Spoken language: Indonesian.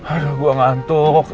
aduh gue ngantuk